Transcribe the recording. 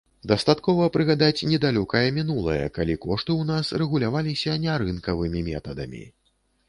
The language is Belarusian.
Дастаткова прыгадаць недалёкае мінулае, калі кошты ў нас рэгуляваліся нярынкавымі метадамі.